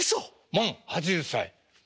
満８０歳。